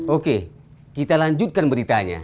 oke kita lanjutkan beritanya